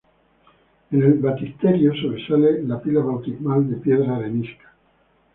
En el baptisterio sobresale la pila bautismal de piedra arenisca.